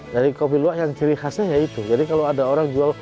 dari kopi luwak yang ciri khasnya itu